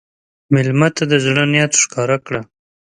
مېلمه ته د زړه نیت ښکاره کړه.